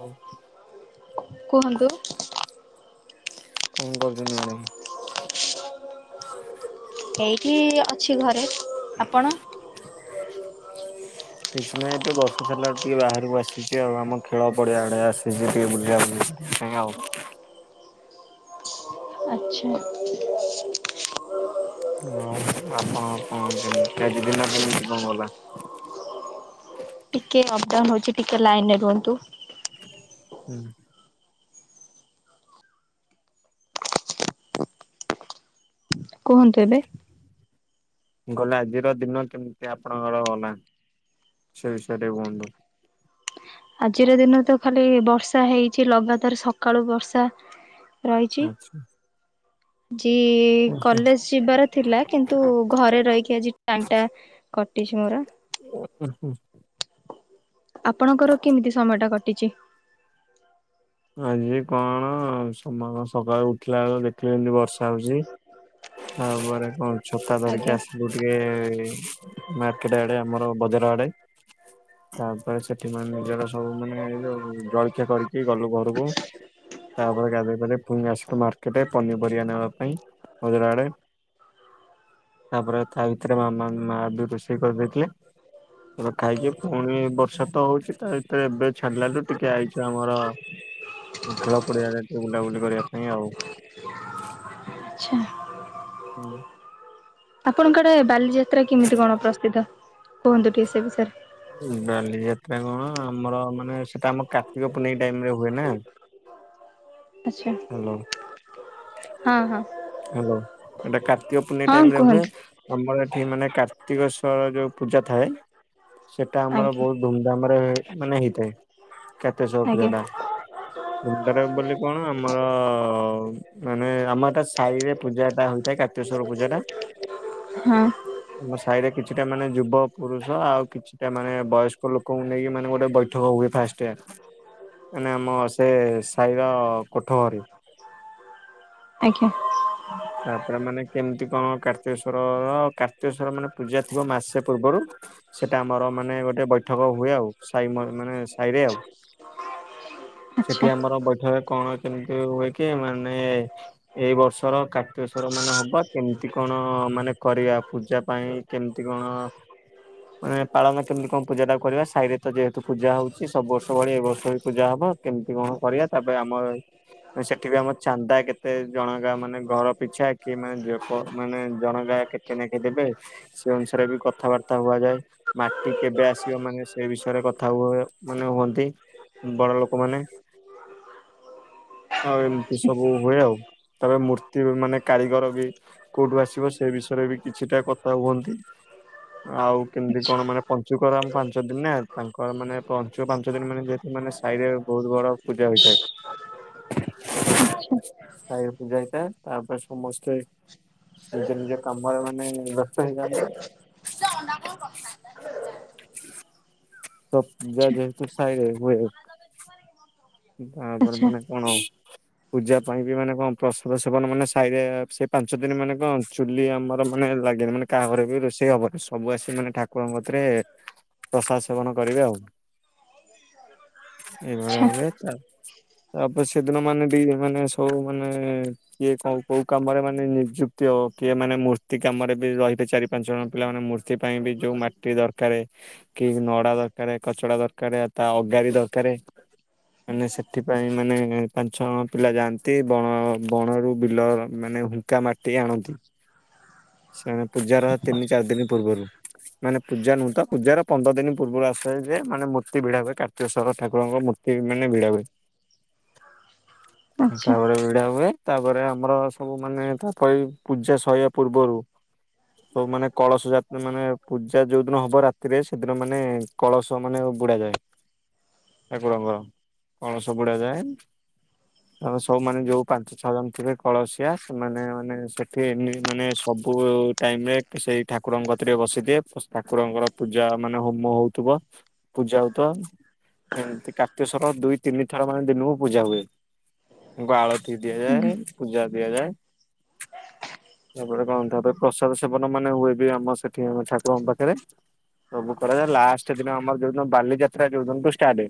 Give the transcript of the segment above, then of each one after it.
ହଉ କୁହନ୍ତୁ? କଣ କରୁଛନ୍ତି ମ୍ୟାଡ଼ାମ? ଏଇଠି ଅଛି ଘରେ ଆପଣ? [inaudible] କିଛି ନାହିଁ ଏବେ ବର୍ଷ ସାରିଲାରୁ ଟିକେ ବାହାରକୁ ଆସିଛି ଆଉ ଆମ ଖେଳ ପଡିଆ ଆଡେ ଆସିଛି ଟିକେ ବୁଲିବାକୁ। ଆଜ୍ଞା ହଉ। ଆଛା। ହ ଆପଣ କଣ କେମତି ଆଜି ଦିନ କେମିତି କଣ ଗଲା? ଟିକେ ଅପଡାଉନ ହଉଛି ଟିକେ ଲାଇନରେ ରୁହନ୍ତୁ। ହୁଁ। କୁହନ୍ତୁ ଏବେ। ମୁ କହିଲେ ଆଜିର ଦିନ କେମିତି ଆପଣଙ୍କର ଗଲା। ସେ ବିଷୟରେ କୁହନ୍ତୁ। ଆଜିର ଦିନ ତ ଖାଲି ବର୍ଷା ହେଇଛି ଲଗାତାର ସକାଳୁ ବର୍ଷା। ରହିଛି ଆଚ୍ଛା। ଯି ଆଚ୍ଛା। କଲେଜ। ଯିବାର ଥିଲା କିନ୍ତୁ ଘରେ ରହିକି ଆଜି ଟାଇମ ଟା କଟିଛି ମୋର। ଓ ହ ହୁ। ଆପଣଙ୍କର କେମିତି ସମୟ ଟା କଟିଛି? ଆଜି କଣ ସମୟ ସକାଳୁ ଉଠିଲା ବେଳକୁ ଦେଖିଲେ ଯେମିତି ବର୍ଷ ହଉଛି ତାପରେ କଣ ଛତା ଧରିକି ଆଜ୍ଞା। ଆସ ଗୋଟେ ମାର୍କେଟ ଆଡ଼େ ଆମର ବଜାର ଆଡ଼େ। ତାପରେ ସେଠି ମାନେ ନିଜର ସବୁ ମାନେ ଯୋଉ ଜଳଖିଆ କରିକି ଗଲୁ ଘରକୁ। ତାପରେ ଗାଧୋଇ ପାଧୋଇ ପୁଣି ଆସିଲୁ ମାର୍କେଟ ରେ ପନିପରିବା ନେବା ପାଇଁ। ବଜାରଆଡ଼େ। ତାପରେ ତା ଭିତରେ ମାମା ମାଆ ବି ରୋଷେଇ କରିଦେଇଥିଲେ। ଏବେ ଖାଇଛ ପୁଣି ବର୍ଷା ତ ହଉଛି ତା ଭିତରେ ଏବେ ଛାଡିଲାଲୁ ଟିକେ ଆଇଛ ଆମର ଖେଳ ପଡିଆଡେ ବୁଲାବୁଲି କରିବା ପାଇଁ ଆଉ। ଆଚ୍ଛା ହୁଁ। ଆପଣଙ୍କ ଆଡେ ବାଲିଯାତ୍ରା କେମିତି କଣ ପ୍ରସିଦ୍ଧ କୁହନ୍ତୁ ଟିକେ ସେ ବିଷୟରେ? ବାଲିଯାତ୍ରା କଣ ଆମର ମାନେ ସେଟା ଆମ କାର୍ତ୍ତିକ ପୂନେଇ ଟାଇମ୍ ରେ ହୁଏ ନା। ଆଚ୍ଛା ହ୍ୟାଲୋ। ହଁ ହଁ ହ୍ୟାଲୋ ଏଟା କାର୍ତ୍ତିକ ପୂନେଇ ହଁ ଟାଇମ୍ ରେ ହୁଏ। କୁହନ୍ତୁ ଆମର ଏଠି ମାନେ କାର୍ତ୍ତିକଶ୍ଵର ଯୋଉ ପୂଜା ଥାଏ ସେଟା ଆମର ଆଜ୍ଞା ବହୁତ ଧୁମ୍ ଧାମ୍ ରେ ମାନେ ହେଇଥାଏ। କେତେ ସବୁୂଜା ଆଜ୍ଞା। ଟା ସୁନ୍ଦର ବୋଲି କଣ ଆମର ମାନେ ଆମରଟା ସାହି ରେ ପୂଜା ଟା ହେଇଥାଏ କାର୍ତେଶ୍ଵର ପୂଜା ଟା। ହଁ ଆମ ସାହିରେ କିଛିଟା ମାନେ ଯୁବ ପୁରୁଷ ଆଉ କିଛିଟା ମାନେ ବୟସ୍କ ଲୋକଙ୍କୁ ନେଇକି ମାନେ ଗୋଟେ ଠୋଉ ହୁଏ ଫାଷ୍ଟ ଆମେ ଆମ ସେ ସାଇର କୋଠ ଘରେ। ଆଜ୍ଞା। ତାପରେ ମାନେ କେମିତି କଣ କାର୍ତ୍ତିକେଶ୍ଵର କାର୍ତ୍ତିକେଶ୍ଵର ମାନେ ପୂଜା ଥିବ ମାସେ ପୂର୍ବରୁ। ସେଇଟା ଆମର ମାନେ ଗୋଟେ ବୈଠକ ହୁଏ ଆଉ ମାନେ ସାଇରେ ଆଉ। ଆଚ୍ଛା ସେଠି ଆମର ବୈଠକରେ କଣ କେମିତି ହୁଏ କି ମାନେ ଏଇ ବର୍ଷ ଧର କାର୍ତିକଶ୍ୱର ମାନେ ହବ କେମତି କଣ ମାନେ କରିବା ପୂଜା ପାଇଁ କେମିତି କଣ ମାନେ ପାଳନ କେମିତି କଣ ପୂଜା ଟା କରିବା ସାହି ରେ ତ ଯେହେତୁ ପୂଜା ହଉଛି ସବୁ ବର୍ଷ ଭଳି ଏ ବର୍ଷ ଭଳି ପୂଜା ହବ। କେମିତି କଣ କରିବା ତାପରେ ଆମର ସେଠି ବି ଆମ ଚାନ୍ଦା କେତେ ଜଣ ଗା ମାନେ ଘର ପିଛା କି ମାନେ ମାନେ ଜଣ କା କେତେ ନାଖେ ଦେବେ? ସେ ଅନୁସାରେ ବି କଥାବାର୍ତ୍ତା ହୁଆଯାଏ। ମାଟି କେବେ ଆସିବ ମାନେ ସେ ବିଷୟରେ କଥା ହୁଏ ମାନେ ହୁଅନ୍ତି। ବଡ଼ ଲୋକମାନେ। ଆଉ ଏମିତି ସବୁ ହୁଏ ଆଉ ତାପରେ ମୂର୍ତ୍ତି ମାନେ କାରିଗର ବି କୋଉଠୁ ଆସିବ ସେ ବିଷୟରେ ବି କିଛିଟା କଥା ହୁଅନ୍ତି। ଆଉ କେମିତି ଆଚ୍ଛା କଣ ମାନେ ପଞ୍ଚୁକର ପାଞ୍ଚ ଦିନ ନା ତାଙ୍କର ମାନେ ପଞ୍ଚୁକ ପାଞ୍ଚ ଦିନ ମାନେ ସେ ମାନେ ସାହି ରେ ବହୁତ ବଡ ପୂଜା ହୋଇଥାଏ। ଆଚ୍ଛା ସାଇ ପୂଜାଇଥା ତାପରେ ସମସ୍ତେ ନିଜ ନିଜ କାମରେ ମାନେ ବ୍ୟସ୍ତ ହେଇଥାନ୍ତି। ସେ ଅନା କଣ କଥା ତ ପୂଜା ଆଚ୍ଛା। ଯେହେତୁ ସାଇରେ ହୁଏ। ତାପରେ ଆଚ୍ଛା ମାନେ କଣ ପୂଜା ପାଇଁ ବି ମାନେ କଣ ପ୍ରସବ ସେବନ ମାନେ ସାଇ ସେ ପାଞ୍ଚ ଦିନ ମାନେ କଣ ଚୁଲି ଆମର ମାନେ ଲାଗେନି ମାନେ କାହା ଘରେ ବି ରୋଷେଇ ହବନି। ସବୁ ଆସି ମାନେ ଠାକୁରଙ୍କ କତିରେ ପ୍ରସାଦ ସେବନ କରିବେ ଆଉ ଏଇଭଳିଆ ହୁଏ। ତ ଆଉ ତାପରେ ସେଦିନ ମାନେ ବି ମାନେ ସବୁ ମାନେ କିଏ କୋଉ କୋଉ କାମରେ ମାନେ ନିଯୁକ୍ତି ହ କିଏ ମାନେ ମୂର୍ତ୍ତି କାମରେ ବି ରହିିବେ ଚାରି ପାଞ୍ଚ ଜଣ ପିଲା ମାନେ ମୂର୍ତ୍ତି ପାଇଁ ବି ଯୋଉ ମାଟି ଦରକାରେ। କି ନଡା ଦରକାର କଚଡା ଦରକାର ତା ଅଗାରି ଦରକାରେ। ମାନେ ସେଥିପାଇଁ ମାନେ ପାଞ୍ଚ ଜଣ ପିଲା ଯାଆନ୍ତି ବଣ ବଣ ରୁ ବିଲ ମାନେ ହୁଙ୍କା ମାଟି ହାଣନ୍ତି ସେମାନେ ପୂଜାର ତିନି ଚାରି ଦିନି ପୂର୍ବରୁ। ମାନେ ପୂଜା ନୁହୁଁ ତ ପୂଜାର ପନ୍ଦର ଦିନ ପୂର୍ବରୁ ଆସେ ଯେ ମାନେ ମୂର୍ତ୍ତି ଭିଡ଼ା ହୁଏ। କାର୍ତ୍ତିକେଶ୍ୱର ଠାକୁରଙ୍କ ମୂର୍ତ୍ତି ମାନେ ଭିଡ଼ା ହୁଏ ଆଚ୍ଛା ତାପରେ ଭିଡ଼ା ହୁଏ। ତାପରେ ଆମର ସବୁ ମାନେ ତାପରେ ପୂଜା ସରିବା ପୂର୍ବରୁ ସବୁ ମାନେ କଳସ ଯାତ୍ରା ମାନେ ପୂଜା ଯୋଉ ଦିନ ହବ ରାତିରେ ସେଦିନ ମାନେ କଳସ ମାନେ ବୁଢ଼ା ଯାଏ ଠାକୁରଙ୍କର କଳସ ବୁଢ଼ା ଯାଏ। ଆଉ ସବୁ ମନେ ଯୋଉ ପାଞ୍ଚ ଛଅ ଜଣ ଥିବେ କଳସିଆ ସେମାନେ ମାନେ ସେଠି ଏମିତ୍ ମାନେ ସବୁ ଟାଇମ୍ ରେ ଏକ୍ ସେଇ ଠାକୁରଙ୍କ କତିରେ ବସି ଥିବେ ପ୍ଲସ ଠାକୁରଙ୍କର ପୂଜା ମାନେ ହୋମ ହୋଉଥୁବ। ପୂଜା ହୋଉଥୁବ ଏମିତି କାର୍ କାର୍ତ୍ତିକେଶ୍ୱର ଦୁଇ ତିନି ଥର ମାନେ ଦିନୁକୁ ପୂଜା ହୁଏ। ତାଙ୍କୁ ଆଳତି ଦିଆଯାଏ। ପୂଜା ଦିଆଯାଏ। ତାପରେ କଣ ତାପରେ ପ୍ରସାଦ ସେବନ ମାନେ ହୁଏ ବି ଆମର ସେଠି ହୁଏ ଠାକୁରଙ୍କ ପାଖରେ ସବୁ କରାଯାଏ। ଆଉ ଲାଷ୍ଟ୍ ଦିନ ଆମର ଯୋଉ ଦିନ ଆମର ବାଲି ଯାତ୍ରା ଯୋଉ ଦିନୁଠୁ ଷ୍ଟାର୍ଟ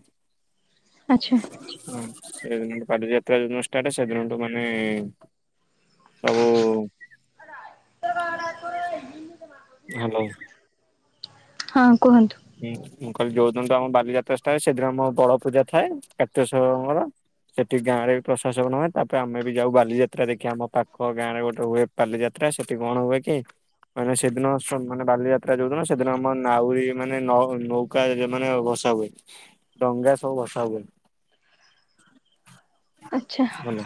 ଆଚ୍ଛା। ହଁ ସେଦିନୁ ଠୁ ବାଲି ଯାତ୍ରା ଯୋଉ ଦିନ ଠୁ ଷ୍ଟାର୍ଟ ସେଦିନ ଠୁ ମାନେ ସବୁ। ହେଲୋ। ହଁ କୁହନ୍ତୁ। ହୁଁ ମୁଁ କହିଲି ଯୋଉଦିନ ଠୁ ଆମ ବାଲି ଯାତ୍ରା ଷ୍ଟାର୍ଟ ସେଦିନ ଆମର ବଡ଼ ପୂଜା ଥାଏ କାର୍ତ୍ତିକେଶ୍ୱରଙ୍କର ସେଠି ଗାଁରେ ବି ପ୍ରାସାଦ ସେବନ ହୁଏ ତାପରେ ଆମେ ବି ଯାଉ ବାଲି ଯାତ୍ରା ଦେଖି ଆମ ପାଖ ଗାଁରେ ଗୋଟେ ହୁଏ ବାଲି ଯାତ୍ରା ସେଠି କଣ ହୁଏ କି ମାନେ ସେଦିନ ସବୁ ମାନେ ବାଲି ଯାତ୍ରା ଯୋଉ ଦିନ ସେଦିନ ଆମ ନାଉରି ମାନେ ନଅ ନୌକା ଏ ମାନେ ଭସା ହୁଏ। ଡଙ୍ଗା ସବୁ ଭସା ହୁଏ। ଆଚ୍ଛା ଭଲ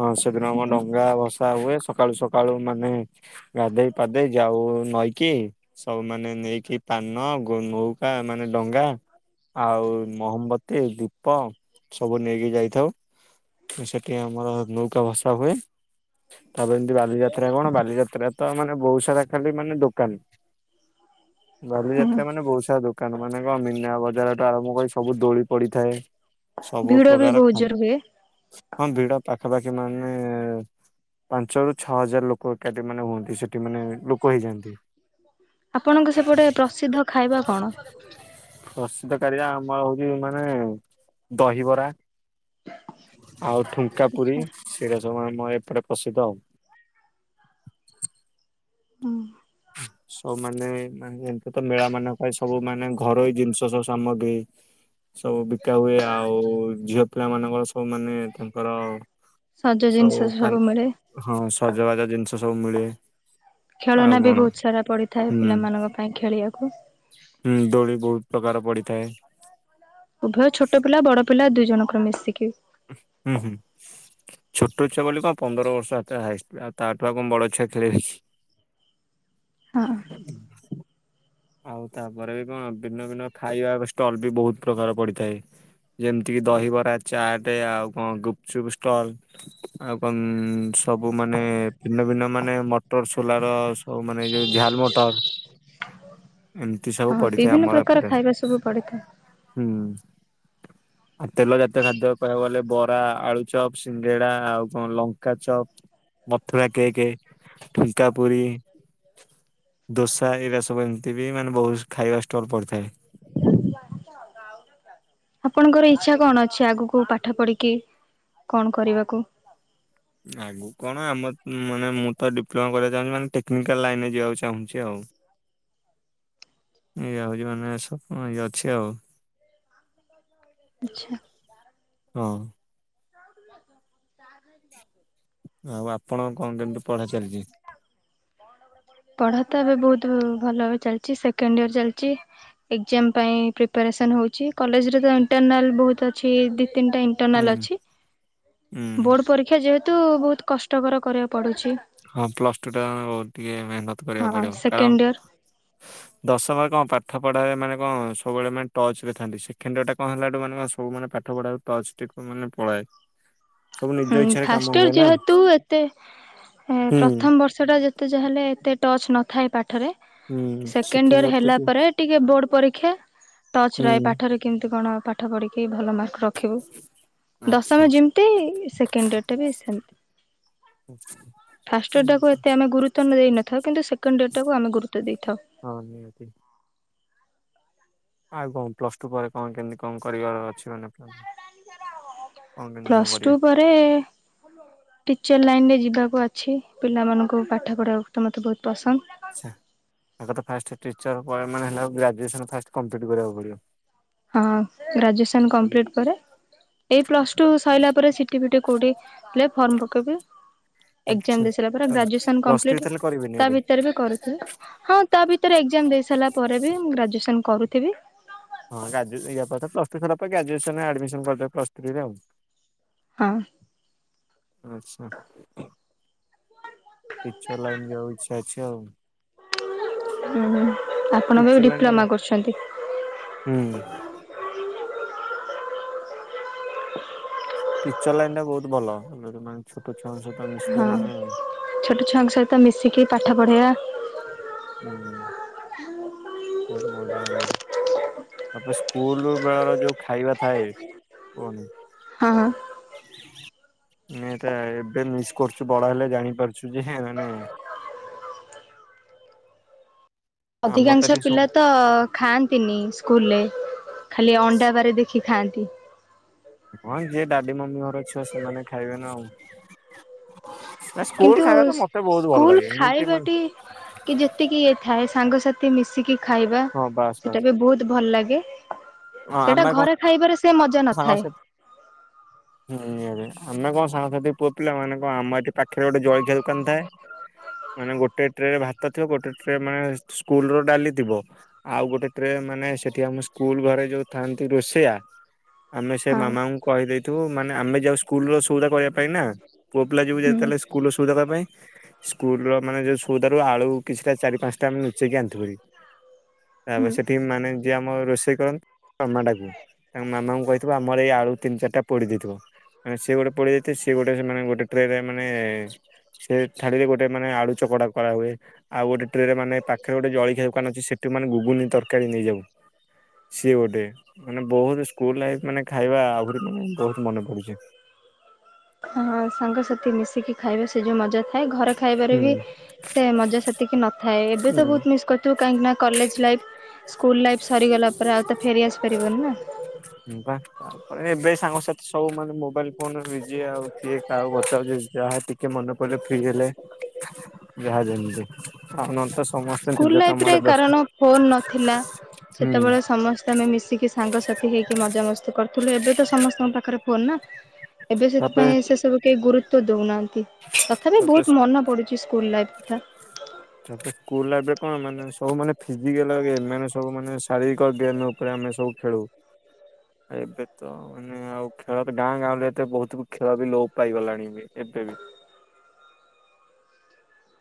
ହଁ ସେଦିନ ଆମର୍ ଡଙ୍ଗା ଭସା ହୁଏ ସକାଳୁ ସକାଳୁ ମାନେ ଗାଧେଇ ପାଧେଇ ଯାଉ ନଈକି ସବୁ ମାନେ ନେଇକି ପାନ ଗୁନ୍ ନୌକା ମାନେ ଡଙ୍ଗା ଆଉ ମହମ ବତୀ ଦୀପ ସବୁ ନେଇକି ଯାଇଥାଉ। ତ ସେଠି ଆମର ନୌକା ଭସା ହୁଏ। ତାପରେ ଏମିତି ବାଲି ଯାତ୍ରା କଣ ବାଲି ଯାତ୍ରା ତ ମାନେ ବୋହୁତ୍ ସାରା ଖାଲି ମାନେ ଦୋକାନ୍। [inaudible] ବାଲି ହୁଁ ଯାତ୍ରା ମାନେ ବୋହୁତ୍ ସାରା ଦୋକାନ ମାନେ କଣ ମୀନା ବଜାର ଠୁ ଆରମ୍ଭ କରି ସବୁ ଦୋଳି ପଡିଥାଏ। ସବୁ ଭିଡ ବି ପ୍ରକାର ବହୁତ ଜୋର ହୁଏ। ଖାଦ୍ୟ ହଁ ଭିଡ଼ ପାଖାପାଖି ମାନେ ପାଞ୍ଚରୁ ଛଅ ହଜାର ଲୋକ ଏକାଠି ମାନେ ହୁଅନ୍ତି ସେଠି ମାନେ ଲୋକ ହେଇଯାଆନ୍ତି। ଆପଣଙ୍କ ସେପଟେ ପ୍ରସିଦ୍ଧ ଖାଇବା କଣ? ପ୍ରସିଦ୍ଧ ଖାଇବା ଆମର ହୋଉଛି ମାନେ ଦହିବରା। ଆଉ ଠୁଙ୍କା ପୁରୀ ଆଚ୍ଛା। ସେଇରା ସବୁ ଆମ ଏପଟେ ପ୍ରସିଦ୍ଧ ଆଉ। ହୁଁ। ସବୁ ମାନେ ମାନେ ଏମିତି ତ ମେଳା ମାନ ଏ ସବୁ ମାନେ ଘରୋଇ ଜିନିଷ ସବୁ ସାମଗ୍ରୀ ସବୁ ବିକା ହୁଏ ଆଉ ଝିଅ ପିଲା ମାନଙ୍କର ସବୁ ମାନେ ତାଙ୍କ ର ସଜ ଜିନିଷ ସବୁ କାନ୍ ମିଳେ ହଁ ସଜବାଜ ଜିନିଷ ସବୁ ମିଳେ। ଆଉ ଖେଳନା ବି କଣ ବୋହୁତ୍ ସାରା ପଡିଥାଏ ହୁଁ। ପିଲାମାନଙ୍କ ପାଇଁ ଖେଳିବାକୁ। ହୁଁ ଦୋଳି ବୋହୁତ୍ ପ୍ରକାର ପଡିଥାଏ। ଉଭୟ ଛୋଟ ପିଲା ବଡ଼ ପିଲା ଦୁଇ ଜଣଙ୍କର ମିଶିକି। ହୁଁ ହୁଁ। ଛୋଟୋ ଛୁଆ ବୋଲି କଣ ପନ୍ଦର ବର୍ଷ ହାତେ ହାୟେଷ୍ଟ୍ ଆଉ ତା ଠୁ ଆଉ କଣ ବଡ଼ ଛୁଆ ଖେଳିବି କି? [inaudible] ହଁ। ଆଉ ତାପରେ ବି କଣ ଦିନୁକୁ ଦିନ ଖାଇବା ଷ୍ଟଲ୍ ବି ବୋହୁତ ପ୍ରକାର ପଡ଼ିଥାଏ। ଯେମିତି କିି ଦହି ବରା ଚାଟେ ଆଉ କଣ ଗୁପଚୁପ୍ ଷ୍ଟଲ୍। ଆଉ କଣ ସବୁ ମାନେ ଭିନ୍ନ ଭିନ୍ନ ମାନେ ମଟର ସୋଲର। ହଉ ମାନେ ଯୋଉ ଝାଲ ମଟର। ଏମିତି ସବୁ ହଁ ପଡିଥାଏ ବିଭିନ୍ନ ଆମର ପ୍ରକାର ଏପଟେ, ଖାଇବା ସବୁ ପଡିଥାଏ ହୁଁ। ଆଉ ତେଲ ଜାତୀୟ ଖାଦ୍ୟ କହିବାକୁ ଗଲେ ବରା ଆଳୁ ଚପ୍ ସିଙ୍ଗେଡା ଆଉ କଣ ଲଙ୍କା ଚପ୍। ମଥୁର କେକେ ଠୂଙ୍କା ପୁରି। ଦୋସା ଏଇରା ସବୁ ଏମିତି ବି ମାନେ ବହୁତ ଖାଇବା ଷ୍ଟଲ ପଡିଥାଏ। ଆପଣଙ୍କର ଇଚ୍ଛା କଣ ଅଛି ଆଗକୁ ପାଠ ପଢିକି କଣ କରିବାକୁ। ଆଗୁକୁ କଣ ଆମ ମାନେ ମୁଁ ତ ଡିପ୍ଲୋମା କରିବାକୁ ଚାହୁଁଛି ମାନେ ଟେକ୍ନିକାଲ ଲାଇନ ରେ ଯିବାକୁ ଚାହୁଁଛି ଆଉ। ଏଇଆ ହଉଛି ମାନେ ସପ୍ନ ଇଏ ଅଛି ଆଉ। ଆଚ୍ଛା। ହଁ। [unintelligible] ଆଉ ଆପଣ କଣ କେମିତି ପଢା ଚାଲିଛି। ପଢ଼ା ତ ଏବେ ବହୁତ ଭଲ ଚାଲିଚି ସେକେଣ୍ଡ ଇୟର ଚାଲିଚି। ଏକ୍ଜାମ ପାଇଁ ପ୍ରିପାରେସନ୍ ହଉଛି କଲେଜରେ ତ ଇଣ୍ଟରନାଲ୍ ବହୁତ ଅଛି ଦି ତିନିଟା। ହୁଁ ଇଟର୍ନାଲ ଅଛି ହୁଁ ବୋର୍ଡ଼ ପରୀକ୍ଷା ଯେହେତୁ ବହୁତ କଷ୍ଟକର କରିବାକୁ ପଡ଼ୁଛି। ହଁ ପ୍ଲସ ଟୁ ଟା ବହୁତ ଟିକେ ମେହନତ କରିବାକୁ ହଁ ପଡିବ ସେକେଣ୍ଡ ଇୟର କାରଣ। ଦଶମ ରେ କଁ ପାଠ ପଢାରେ ମାନେ କଁ ସବୁ ବେଳେ ମାନେ ଟଚ ରେ ଥାନ୍ତି ସେକେଣ୍ଡ ୟର ଟା କଁ ହେଲାୁ ଠୁ ମାନେ ସବୁ ମାନେ ପା ପାଠ ପଢ଼ା ରୁ ଟଚ ଟିକୁ ମାନେ ପଳାଏ। ସବୁ ନିଜ ହୁଁ ଇଚ୍ଛାରେ କାମ ଫାଷ୍ଟ ହୁଏ ୟର ନା ଯେହେତୁ ଏ ଏତେ ହୁଁ ପ୍ରଥମ ବର୍ଷଟା ଯେତେ ଯାହା ହେଲେ ଏତେ ଟଚ୍ ନଥାଏ ପାଠରେ। ସେକେଣ୍ଡ ଇୟର ହେଲା ପରେ ଟିକେ ବୋର୍ଡ ପରୀକ୍ଷା ଟଚ ରହେ ହୁଁ ପାଠରେ। କେମିତି କଣ ପାଠ ପଢିକି ଭଲ ମାର୍କ ରଖିବୁ ଆଚ୍ଛା ଦଶମ ଯେମତି। ସେକେଣ୍ଡ ୟର ଟା ବି ସେମତି। ଆଛ ଫାଷ୍ଟ ଇଅର ଟା କୁ ଏତେ ଆମେ ଗୁରୁତ୍ୱ ଦେଇ ନଥାଉ କିନ୍ତୁ ସେକେଣ୍ଡ ଇଅର ଟାକୁ ଆମେ ଗୁରୁତ୍ୱ ଦେଇଥାଉ। ହଁ ନିହାତି। ଆଉ କଁ ପ୍ଲସ ଟୁ ପରେ କଣ କେମିତି କଁ କରିବାର ଅଛି ମାନେ ପ୍ଲାନିଂ। ପ୍ଲସ୍ ଟୁ ପରେ। ଟିଚର୍ ଲାଇନରେ ଯିବାକୁ ଅଛି ପିଲା ମାନଙ୍କୁ ପାଠ ପଢ଼େଇ ବାକୁ ତ ମୋତେ ବହୁତ ପସନ୍ଦ। ଆଚ୍ଛା ଆଗ ତ ଫାଷ୍ଟ ଟିଚର ପଏ ମାନେ ହେଲା ଗ୍ରାଜୁଏସନ ଫାଷ୍ଟ କମ୍ପ୍ଲିଟ୍ କରିବାକୁ ପଡିବ। ହଁ ଗ୍ରାଜୁଏସନ୍ କମ୍ପ୍ଲିଟ୍ ପରେ। ଏଇ ପ୍ଲସ ଟୁ ସଇଲା ପରେ ସିଟି ଫିଟି କୋଉଠି ହେଲେ ଫର୍ମ ପକେଇବି। ଆଚ୍ଛା। ଏକ୍ଜାମ ଦେଇସାରିଲା ପରେ ଗ୍ରାଜୁଏସନ ପ୍ଲସ ଥ୍ରୀ କମ୍ପ୍ଲିଟ ତାହେଲେ କରିବେନି ତା ଏବେ? ଭିତରେ ବି କରୁଥିବି। ହଁ ତା ଭିତରେ ଏକ୍ଜାମ ଦେଇ ସାରିଲା ପରେ ବି ମୁଁ ଗ୍ରାଜୁଏସନ କରୁଥିବି। ହଁ ଗାଜୁ ୟା ପରେ ତ ପ୍ଲସ୍ ଟୁ ସଇଲା ପରେ ଗ୍ରାଜୁଏସନ୍ ରେ ଆଡମିସନ କରିଦବ ପ୍ଲସ୍ ଥ୍ରୀରେ ଆଉ। ହଁ। ଆଛା ଟିଚର ଲାଇନ ଯିବାକୁ ଇଛା ଅଛି ଆଉ। ହୁଁ ହୁଁ ଆପଣ ଟିଚର ଏବେ ଲାଇନ ଟା ଡିପ୍ଲୋମା କଣ? କରୁଛନ୍ତି। ହୁଁ। ଟିଚର ଲାଇନ ଟା ବହୁତ ଭଲ ଦିନ ମାନ ଛୋଟ ଛୁଆଙ୍କ ସହିତ। ମିଶିଲେ ହଁ ମାନେ ଛୋଟ ଛୁଆଙ୍କ ସହିତ ମିଶିକି ପାଠ ପଢ଼ାଇବା। ହୁଁ ବହୁତ ମଜା ହୁଏ। ତାପରେ ସ୍କୁଲ ବେଳର ଯୋଉ ଖାଇବା ଥାଏ କୁହନି। ହଁ ହଁ। ନିହାତି ଭାବେ ଏବେ ମିସ୍ କରୁଛୁ ବଡ ହେଲେ ଜାଣି ପାରୁଛୁ ଯେ ହେ ମାନେ। ଆମ ତ ଅଧିକାଂଶ ଏଠି ପିଲା ତ ଖାଆନ୍ତିନି ସ୍କୁଲରେ ଖାଲି ଅଣ୍ଡା ବାରି ଦେଖି କି ଖାଆନ୍ତି। ହଁ ଯିଏ ଡାଡି ମମି ଘର ଛୁଆ ସେମାନେ ଖାଇବେ ନା ଆଉ। ନା କିନ୍ତୁ ସ୍କୁଲ ଖାଇବା ତ ମତେ ବହୁତ ଭଲ ସ୍କୁଲ ଲାଗେ ଏମିତି ମାନେ ଖାଇବାଟି କି ଯେତିକି ଇଏ ଥାଏ ସାଙ୍ଗସାଥି ମିଶିକି ଖାଇବା ହଁ ବାସ୍ ସେଟା ବାସ୍ ବି ବହୁତ ଭଲ ଲାଗେ। ସେଟା ଘରେ ଖାଇବାରେ ସେ ମଜା ସାଙ୍ଗ ନଥାଏ ସା ହୁଁ ଆମେ କଣ ସାଙ୍ଗସାଥି ପୁଅ ପିଲା ମାନେ କଣ ଆମ ଏଠି ପାଖରେ ଗୋଟେ ଜଳଖିଆ ଦୋକାନ ଥାଏ। ମାନେ ଗୋଟେ ଟ୍ରେରେ ଭାତ ଥିବ, ଗୋଟେ ଟ୍ରେ ମାନେ ସ୍କୁଲ ର ଡାଲି ଥିବ। ଆଉ ଗୋଟେ ଟ୍ରେ ମାନେ ସେଠି ଆମ ସ୍କୁଲ ଘରେ ଯୋଉ ଥାନ୍ତି ରୋଷେଆ ଆମେ ସେ ହଁ ମାମାଙ୍କୁ କହିଦେଇଥିବୁ ମାନେ ଆମେ ଯାଉ ସ୍କୁଲ ର ସୋଉଦା କରିବା ପାଇଁ ନା। ପୁଅ ପିଲା ଯିବୁ ହୁଁ ଯେତେବେଳେ ସ୍କୁଲର ସୋଉଦା ଦବା ପାଇଁ ସ୍କୁଲ ର ମାନେ ଯୋଉ ସଉଦାରୁ ଆଳୁ କିଛିଟା ଚାରି ପାଞ୍ଚଟା ଆମେ ନୁଚେଇକି ଆଣିଥିଲୁ ତାପରେ ହୁଁ। ସେଠି ମାନେ ଯିଏ ଆମ ରୋଷେଇ କରନ୍ତି, ମାମା ଡ଼ାକୁ ମାମାଙ୍କୁ କହିଥିବୁ ଆମର ଏଇ ଆଳୁ ତିନି, ଚାରିଟା ପୋଡି ଦେଇଥିବ। ସିଏ ଗୋଟେ ପୋଡିଦେଇଥିବେ, ସିଏ ଗୋଟେ ମାନେ ଗୋଟେ ଟ୍ରେରେ ମାନେ ସେ ଥାଳିରେ ଗୋଟେ ମାନେ ଆଳୁ ଚକଡା କରାହୁଏ। ଆଉ ଗୋଟେ ଟ୍ରେରେ ମାନେ ପାଖରେ ଗୋଟେ ଜଳଖିଆ ଦୋକାନ ଅଛି ସେଠୁ ମାନେ ଗୁଗୁନି ତରକାରୀ ନେଇଯାଉ। ସିଏ ଗୋଟେ ମାନେ ବହୁତ ସ୍କୁଲ ଲାଇଫ୍ ମାନେ ଖାଇବା ମାନେ ବହୁତ ମନେ ପଡୁଛି। ହଁ, ସାଙ୍ଗସାଥି ମିଶିକି ଖାଇବା ସେ ଯୋଉ ମଜା ଥାଏ ଘରେ ଖାଇବାରେ ହୁଁ ବି ସେ ମଜା ସେ ତିକି ନ ଥାଏ, ଏବେ ତ ବହୁତ ହୁଁ ମିସ୍ କରି ତୁ କାହିଁକି ନା କଲେଜ ଲାଇଫ୍, ସ୍କୁଲ ଲାଇଫ୍ ସରିଗଲା ପରେ ଆଉ ତ ଫେରି ଆସିପାରିବନି ନା? ହଁ, ବା। ଏବେ ସାଙ୍ଗସାଥି ସବୁ ମାନେ ମୋବାଇଲ ଫୋନ ବିଜି ଆଉ କିଏ କାହା ପଚାରୁଛି ଯାହା ଟି କେ ମନେ ପଡ଼ିଲେ ଫ୍ରି ହେଲେ ଯାହା ଯେମିତି, ଆଉ ନହେନେ ତ ସମସ୍ତେ ନିଜ ସ୍କୁଲ ଲାଇଫ ରେ କାମରେ ବ୍ୟସ୍ତ କାରଣ ଫୋନ ନଥିଲା, ହୁଁ ସେତେବେଳେ ସମସ୍ତେ ତ ଆମେ ମିଶିକି ସାଙ୍ଗସାଥି ହେଇକି ମଜାମସ୍ତି କରୁଥିଲୁ, ଏବେ ତ ସମସ୍ତଙ୍କ ପାଖରେ ଫୋନ ନା। ଏବେ ତାପରେ ସେଥିପାଇଁ ସେ ସବୁ କେହି ଗୁରୁତ୍ୱ ଦଉନାହାନ୍ତି, ତଥାପି ତାପରେ ବହୁତ ମନେ ପଡୁଛି ସ୍କୁଲ ଲାଇଫ। ସ୍କୁଲ ଲାଇଫରେ କଣ ମାନେ ସବୁ ମାନେ ଫିଜିକାଲ ଗେମ୍ ମାନେ ସବୁ ଶାରୀରିକ ଗେନ ଉପରେ ଆମେ ସବୁ ଖେଳୁ। ଏବେ ତ ମାନେ ଆଉ ଖେଳ ଗାଁ ଗାଉଁଲି ରେ ଏତେ ବହୁତ ଖେଳ ବି ଲୋପ ପାଇଗଲାଣି ଏବେ। ଏବେ ବି।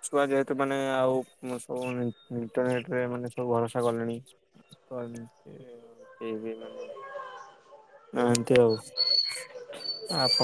ଛୁଆ ଯେହେତୁ ମାନେ ଆଉ ସବୁ ଇଣ୍ଟରନେଟ ରେ ମାନେ ସବୁ ଭରସା କଲେଣି ତ ଏମତୀ ଆଉ କେହି ବି ମାନେ ନାହାନ୍ତି ଆଉ ଆପ